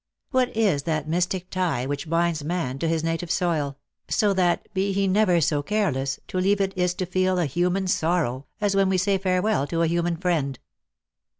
What is that mystic tie which binds man to his native soil ? so that, be he never so careless, to leave it is to feel a human sorrow, as when we say farewell to a human friend.